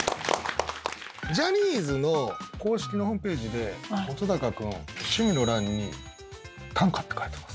ジャニーズの公式のホームページで本君趣味の欄に短歌って書いてます。